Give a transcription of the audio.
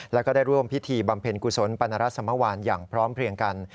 แล้วก็ได้ร่วมพิธีบำเพ็ญกุศลปรณรัฐสมวานอย่างพร้อมเพลียงกัน